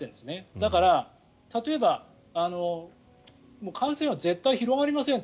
だから、例えば感染は絶対広がりませんと。